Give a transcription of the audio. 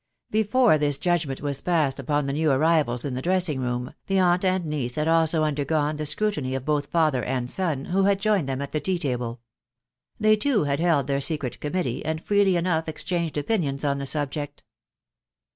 Before this judgment was passed upon the new arrivals in the dressing room, the aunt and niece had also undergone the scrutiny of both father and son, who had joined them at the tea table. They, too, had held their secret committee, and freely enough exchanged opinions on the subject.